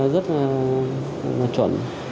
rất là chuẩn